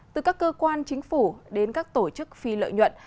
từ các cơ quan chính phủ đến các tổ chức phi lợi nhuận